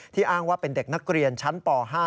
อ้างว่าเป็นเด็กนักเรียนชั้นป๕